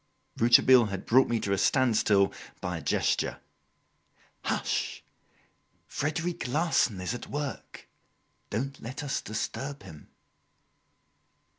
Rouletabille had brought me to a standstill by a gesture. "Hush! Frederic Larsan is at work! Don't let us disturb him!"